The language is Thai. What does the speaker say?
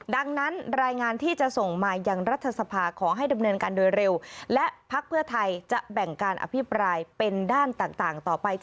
ดังนั้นรายงานที่จะส่งมายังรัฐสภาขอให้ดำเนินการโดยเร็วและพักเพื่อไทยจะแบ่งการอภิปรายเป็นด้านต่างต่อไป